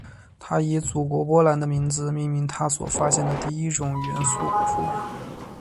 她以祖国波兰的名字命名她所发现的第一种元素钋。